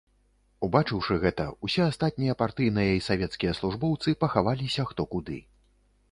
Убачыўшы гэта, усе астатнія партыйныя і савецкія службоўцы пахаваліся хто куды.